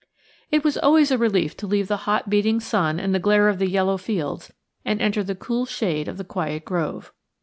It was always a relief to leave the hot beating sun and the glare of the yellow fields and enter the cool shade of the quiet grove.